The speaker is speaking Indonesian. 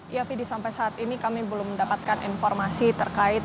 ya fidi sampai saat ini kami belum mendapatkan informasi terkait